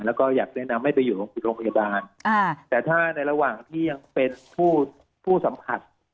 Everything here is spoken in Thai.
แล้วก็อยากแนะนำให้ไปอยู่โรงพยาบาลแต่ถ้าในระหว่างที่ยังเป็นผู้สัมผัส